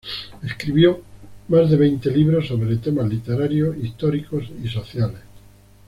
Escribió más de veinte libros sobre temas literarios, históricos y sociales.